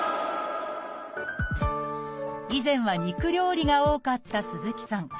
以前は肉料理が多かった鈴木さん。